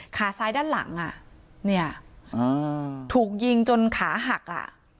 ขาซ้ายด้านหลังอ่ะเนี่ยถูกยิงจนขาหักอ่ะ